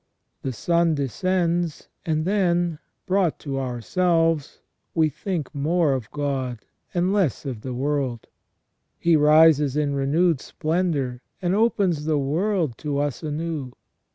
The sun descends, and then, brought to ourselves, we think more of God and less of the world ; he rises in renewed splendour and opens the world to us anew.